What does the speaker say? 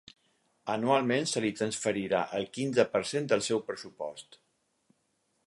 Anualment se li transferirà el quinze per cent del seu pressupost.